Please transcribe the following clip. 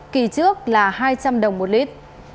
kỳ trước là hai trăm linh đồng một lit